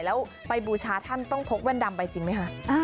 แล้วไปบูชาท่านต้องพกแว่นดำไปจริงไหมคะ